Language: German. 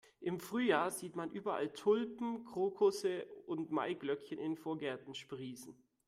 Im Frühjahr sieht man überall Tulpen, Krokusse und Maiglöckchen in den Vorgärten sprießen.